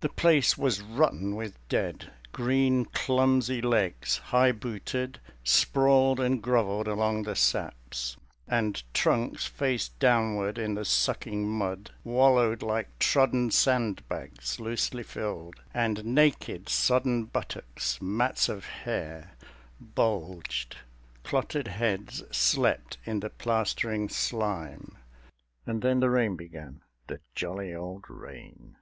The place was rotten with dead; green clumsy legs High booted, sprawled and grovelled along the saps And trunks, face downward in the sucking mud, Wallowed like trodden and bags loosely filled; And naked sodden buttocks, mats of hair, Bulged, clotted heads, slept in the plastering slime. And then the rain began, the jolly old rain!